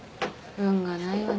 運がないわね